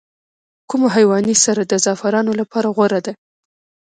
کوم حیواني سره د زعفرانو لپاره غوره ده؟